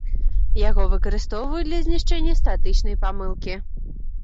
Яго выкарыстоўваюць для знішчэння статычнай памылкі.